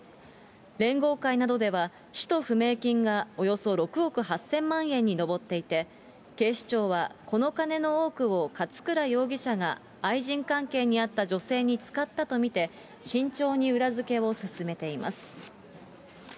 連合会などでは、使途不明金がおよそ６億８０００万円に上っていて、警視庁はこの金の多くを勝倉容疑者が愛人関係にあった女性に使ったと見て、慎重に裏付けを進めています。